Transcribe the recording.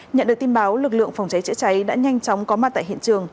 nhận được tin báo lực lượng phòng cháy chữa cháy đã nhanh chóng có mặt tại hiện trường